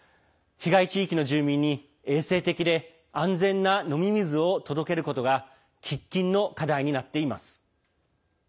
被害地域の住民に衛生的で安全な飲み水を届けることが喫緊の課題になっています。